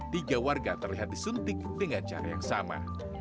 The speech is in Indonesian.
tiga warga terlihat disuntik dengan cara yang sama